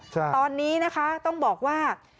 ตอนนี้นะคะต้องบอกว่า